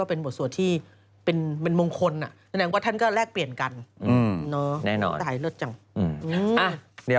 เออเลิศนะ